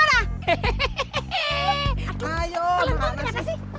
aduh pelan pelan gimana sih